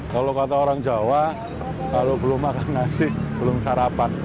kalau kata orang jawa kalau belum makan nasi belum sarapan